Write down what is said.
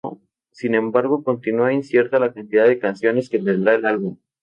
Sin embargo, continua incierta la cantidad de canciones que tendrá el álbum.